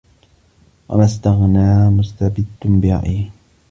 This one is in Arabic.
وَمَا اسْتَغْنَى مُسْتَبِدٌّ بِرَأْيِهِ